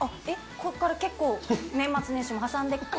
こっから結構年末年始も挟んで。